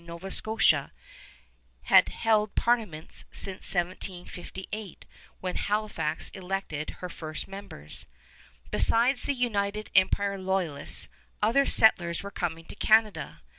Nova Scotia had held parliaments since 1758, when Halifax elected her first members. Besides the United Empire Loyalists, other settlers were coming to Canada.